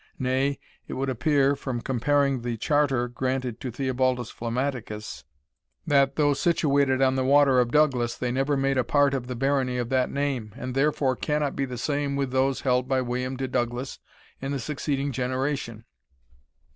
Nay, it would appear, from comparing the charter granted to Theobaldus Flammaticus, that, though situated on the water of Douglas, they never made a part of the barony of that name, and therefore cannot be the same with those held by William de Douglas in the succeeding generation.